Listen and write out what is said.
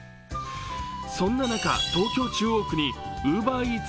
そんな中東京・中央区にＵｂｅｒＥａｔｓ